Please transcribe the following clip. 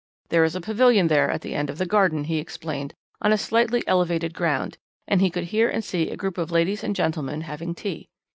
There is a pavilion there at the end of the garden, he explained, on slightly elevated ground, and he could hear and see a group of ladies and gentlemen having tea.